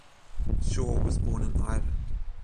Shaw was born in Ireland.